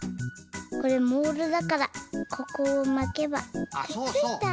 これモールだからここをまけばくっついた！